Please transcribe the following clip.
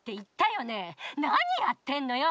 何やってんのよ！